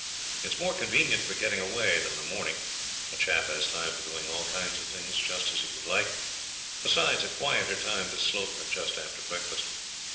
It's more convenient for getting away than the morning. A chap has time for doing all kinds of things just as he would like; besides, a quieter time to slope than just after breakfast.